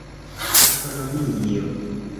aŭtonomio